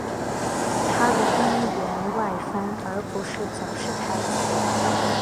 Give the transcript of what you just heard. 它的边缘外翻而不是总是抬起。